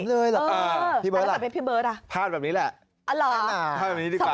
ไม่บอกสมเลยเหรอพี่เบิร์ทล่ะพลาดแบบนี้แหละน่าพลาดแบบนี้ดีกว่า